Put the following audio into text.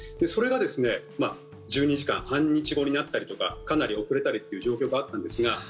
それが１２時間半日後になったりとかかなり遅れたりという状況があったんですが